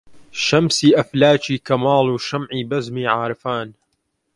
شەمسی ئەفلاکی کەماڵ و شەمعی بەزمی عارفان